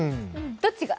どっちが？